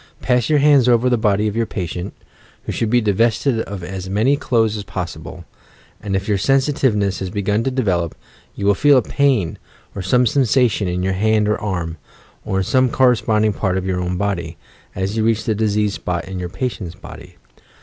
Pass your hands over the body of your patient, {who should be divested of as many clothes as possible), and if your sensitiveness has begun to develop, you will feel a pain or some sensation in your hand or arm, or in some cor responding part of your own body, as you reach the diseased spot in your patient's body.